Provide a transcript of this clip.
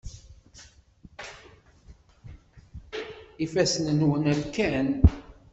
Ifassen-nwen rkan.